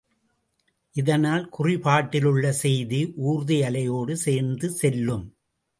இதனால் குறிபாட்டிலுள்ள செய்தி ஊர்தியலையோடு சேர்ந்து செல்லும்.